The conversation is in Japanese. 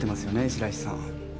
白石さん。